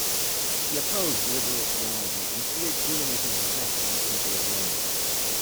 He opposed liberal theology and feared humanism's effect on the people of Wales.